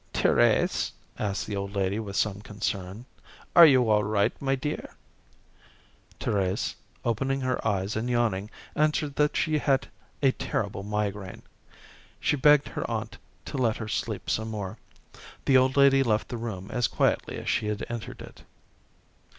"Thérèse," asked the old lady with some concern, "are you all right, my dear?" Thérèse, opening her eyes and yawning, answered that she had a terrible migraine. She begged her aunt to let her sleep some more. The old lady left the room as quietly as she had entered it.